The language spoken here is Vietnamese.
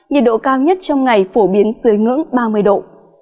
nhiệt độ cao nhất trong ngày phổ biến dưới ngưỡng ba mươi độ